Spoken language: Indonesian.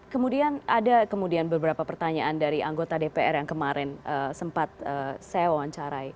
kemudian ada kemudian beberapa pertanyaan dari anggota dpr yang kemarin sempat saya wawancarai